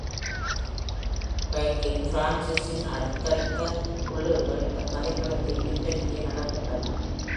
"Quake" franchiseன் அடுத்தடுத்த உள்ளீடுகள், இந்த கதைக்களத்தை பின்பற்றியே நடக்கின்றன.